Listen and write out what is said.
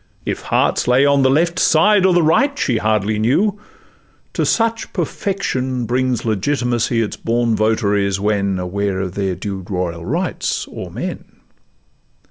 If hearts lay on the left side or the right She hardly knew, to such perfection brings Legitimacy its born votaries, when Aware of their due royal rights o'er men.